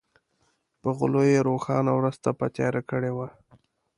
په غلو یې روښانه ورځ تپه تیاره کړې وه.